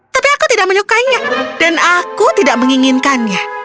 tapi aku tidak menyukainya dan aku tidak menginginkannya